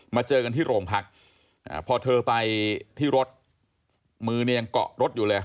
เจอกันที่โรงพักพอเธอไปที่รถมือเนี่ยยังเกาะรถอยู่เลย